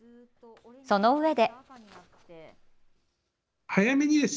そのうえで。